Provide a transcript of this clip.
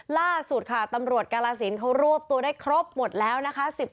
ล่าสุดค่ะตำรวจกาลสินเขารวบตัวได้ครบหมดแล้วนะคะ